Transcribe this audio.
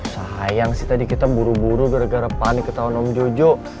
sayang sih tadi kita buru buru gara gara panik ketahuan om jojo